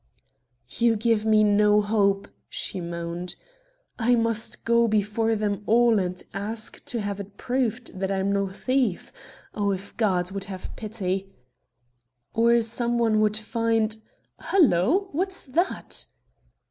"You give me no hope," she moaned. "I must go out before them all and ask to have it proved that I am no thief. Oh, if God would have pity " "Or some one would find Halloo! What's that?"